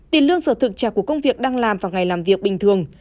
tiền lương sở thực trả của công việc đang làm vào ngày làm việc bình thường